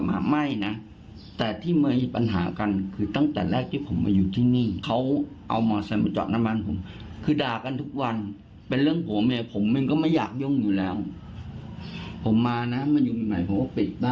หรือว่าสุนัขที่อุจจาระเรียราชค่ะ